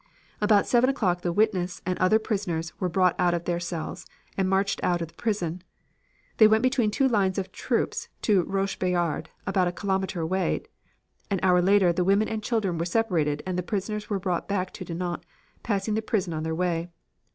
"About 7 o'clock the witness and other prisoners were brought out of their cells and marched out of the prison. They went between two lines of troops to Roche Bayard, about a kilometer away. An hour later the women and children were separated and the prisoners were brought back to Dinant passing the prison on their way.